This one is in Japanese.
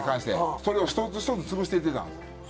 それを一つ一つ潰していってたんですよ。